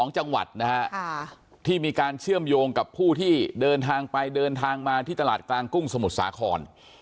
๒จังหวัดนะฮะที่มีการเชื่อมโยงกับผู้ที่เดินทางไปเดินทางมาที่ตลาดกลางกุ้งสมุทรสาคร